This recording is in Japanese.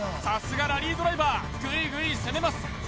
さすがラリードライバーグイグイ攻めます